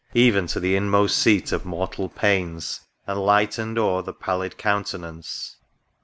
Even to the inmost seat of mortal pains, And lightened o'er the pallid countenance.